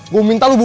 gue minta lu bubar